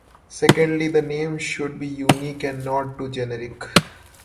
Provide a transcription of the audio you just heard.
Secondly, the name should be unique and not too generic.